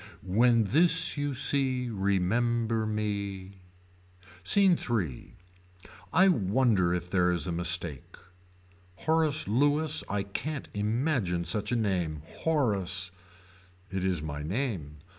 When this you see remember me. SCENE III. I wonder if there is a mistake. Horace Lewis I can't imagine such a name. Horace. It is my name.